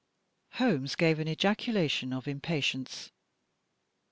Holmes gave an ejaculation of impatience.